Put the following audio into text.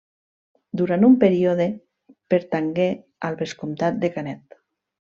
Durant un període, pertangué al vescomtat de Canet.